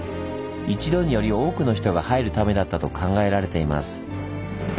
一度により多くの人が入るためだったと考えられています。